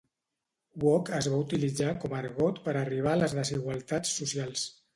Woke es va utilitzar com a argot per arribar a les desigualtats socials.